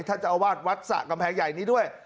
ท่านจะอวาดวัดสักกำแพงใหญ่นี้ด้วย